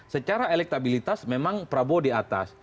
secara elektabilitas memang prabowo di atas